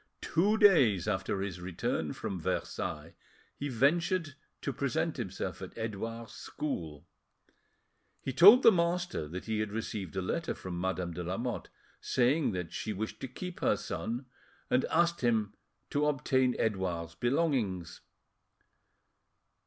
Two days after his return from Versailles, he ventured to present himself at Edouard's school. He told the master that he had received a letter from Madame de Lamotte, saying that she wished to keep her son, and asking him to obtain Edouard's belongings.